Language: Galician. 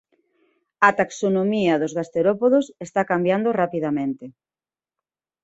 A taxonomía dos gasterópodos está cambiando rapidamente.